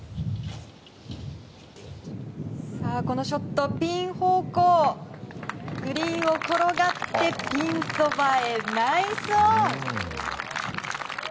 このショット、ピン方向グリーンを転がってピンそばへナイスオン。